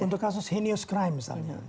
untuk kasus henies crime misalnya